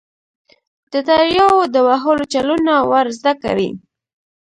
د دریاوو د وهلو چلونه ور زده کوي.